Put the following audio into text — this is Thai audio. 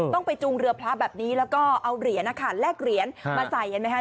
ต้องไปจูงเรือพระแบบนี้แล้วก็เอาเหรียญนะคะแลกเหรียญมาใส่เห็นไหมคะ